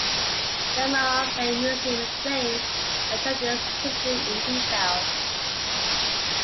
The Mahone Bay Museum explains and shows this history in detail.